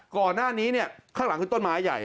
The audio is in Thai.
ก่อนหน้านี้ข้างหลังคือต้นไม้ใหญ่